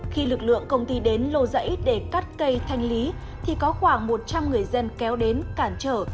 khi lực lượng công ty đến lô rẫy để cắt cây thanh lý thì có khoảng một trăm linh người dân kéo đến cản trở